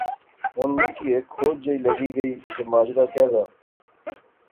ہن میں کی ہیک کھوج جئی لغی گئی کہ ماجرا کہہ دا